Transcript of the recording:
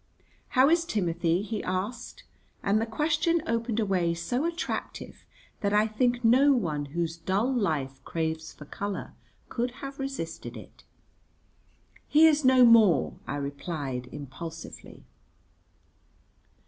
"How is Timothy?" he asked; and the question opened a way so attractive that I think no one whose dull life craves for colour could have resisted it. "He is no more," I replied impulsively.